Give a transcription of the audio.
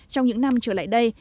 trong những năm trở lại đây